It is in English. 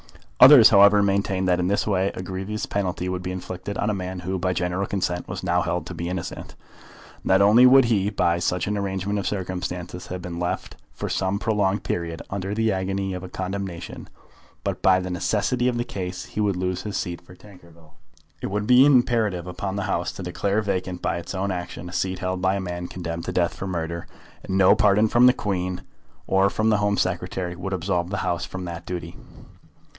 Others, however, maintained that in this way a grievous penalty would be inflicted on a man who, by general consent, was now held to be innocent. Not only would he, by such an arrangement of circumstances, have been left for some prolonged period under the agony of a condemnation, but, by the necessity of the case, he would lose his seat for Tankerville. It would be imperative upon the House to declare vacant by its own action a seat held by a man condemned to death for murder, and no pardon from the Queen or from the Home Secretary would absolve the House from that duty.